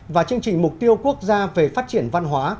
và chương trình mục tiêu quốc gia về phát triển văn hóa